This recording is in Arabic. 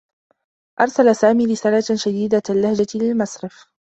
أرسل سامي رسالة شديدة اللّهجة للمصرف.